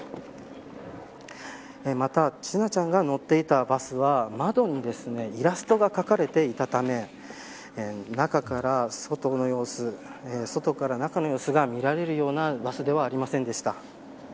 また、千奈ちゃんが乗っていたバスは窓にイラストが描かれていたため中から外の様子外から中の様子が見られるようなバスではありませんでした。